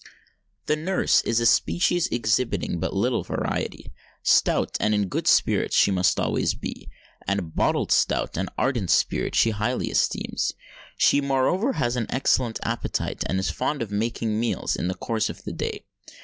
"The nurse" is a species exhibiting but little variety. Stout and in good spirits she must always be; and bottled stout and ardent spirits she highly esteems. She moreover has an excellent appetite, and is fond of many meals in the course of the day.